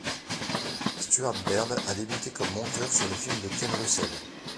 Stuart Baird a débuté comme monteur sur les films de Ken Russell.